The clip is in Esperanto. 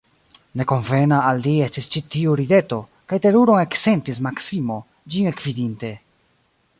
Ne konvena al li estis ĉi tiu rideto, kaj teruron eksentis Maksimo, ĝin ekvidinte.